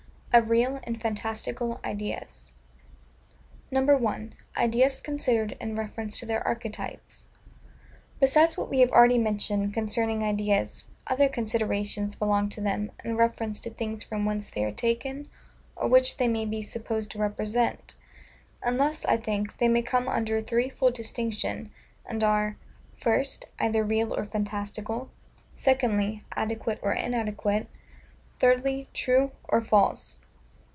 OF REAL AND FANTASTICAL IDEAS. 1. Ideas considered in reference to their Archetypes. Besides what we have already mentioned concerning ideas, other considerations belong to them, in reference to THINGS FROM WHENCE THEY ARE TAKEN, or WHICH THEY MAY BE SUPPOSED TO REPRESENT; and thus, I think, they may come under a threefold distinction, and are:—First, either real or fantastical; Secondly, adequate or inadequate; Thirdly, true or false.